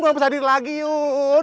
gue mau sadir lagi yun